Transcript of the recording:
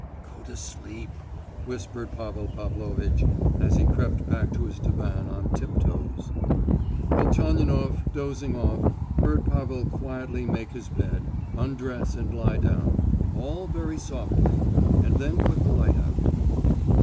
"Go to sleep!" whispered Pavel Pavlovitch, as he crept back to his divan on tip toes. Velchaninoff, dozing off, heard Pavel quietly make his bed, undress and lie down, all very softly, and then put the light out.